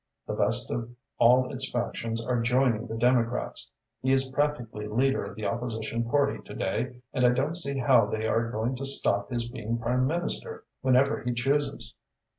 The best of all its factions are joining the Democrats. He is practically leader of the Opposition Party to day and I don't see how they are going to stop his being Prime Minister whenever he chooses."